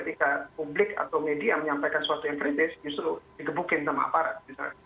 publik atau media menyampaikan sesuatu yang kritis justru dikebukin sama aparat